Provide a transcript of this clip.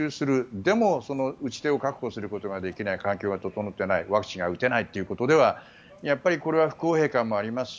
でも、打ち手を確保することができない環境が整っていないワクチンが打てないということだとやっぱり不公平感もありますし